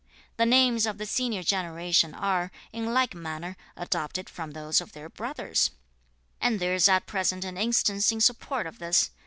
The names of the senior generation are, in like manner, adopted from those of their brothers; and there is at present an instance in support of this.